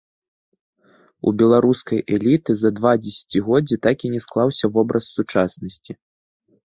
У беларускай эліты за два дзесяцігоддзі так і не склаўся вобраз сучаснасці.